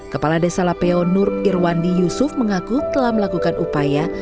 kepala desa lapeo nur irwandi yusuf mengaku telah melakukan upaya